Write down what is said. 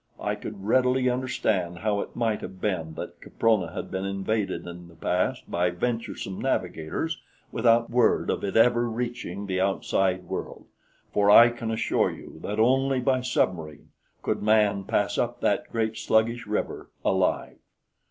I could readily understand how it might have been that Caprona had been invaded in the past by venturesome navigators without word of it ever reaching the outside world, for I can assure you that only by submarine could man pass up that great sluggish river, alive.